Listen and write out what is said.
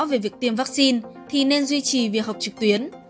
về việc tiêm vaccine thì nên duy trì việc học trực tuyến